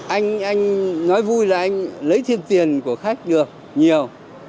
anh anh nói vui là anh lấy thêm tiền của khách được nhiều